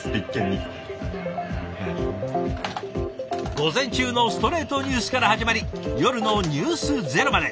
午前中の「ストレイトニュース」から始まり夜の「ｎｅｗｓｚｅｒｏ」まで。